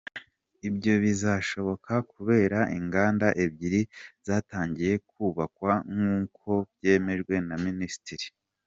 Ibyo bizashoboka kubera inganda ebyiri zatangiye kubakwa, nk’uko byemejwe na Minisitiri.